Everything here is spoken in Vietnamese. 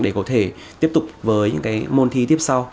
để có thể tiếp tục với những cái môn thi tiếp sau